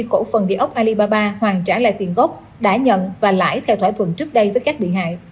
cổ phần địa ốc alibaba hoàn trả lại tiền gốc đã nhận và lãi theo thỏa thuận trước đây với các bị hại